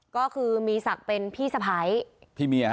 ก็คือมีศักดิ์เป็นพี่สะไพร